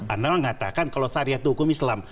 anda mengatakan kalau syariah itu hukum islam